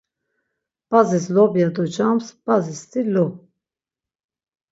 Bazis lobya docams. Bazis-ti lu.